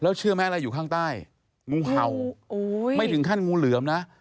เชื่อไหมอะไรอยู่ข้างใต้งูเห่าไม่ถึงขั้นงูเหลือมนะ